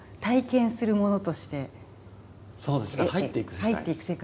入っていく世界。